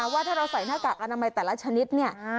ว่าถ้าเราใส่หน้ากากอนามัยแต่ละชนิดเนี่ย